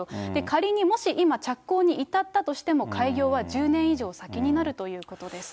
仮にもし今、着工に至ったとしても開業は１０年以上先になるということです。